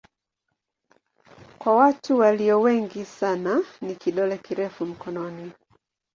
Kwa watu walio wengi sana ni kidole kirefu mkononi.